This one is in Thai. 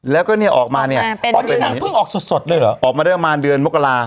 แล้วก็เนี่ยออกมาเนี่ยอ๋อนี่นางเพิ่งออกสดสดเลยเหรอออกมาเรื่องมารเดือนมกรา